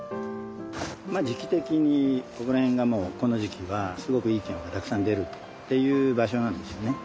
まあ時期的にここら辺がもうこの時期はすごくいいきのこがたくさん出るっていう場所なんですよね。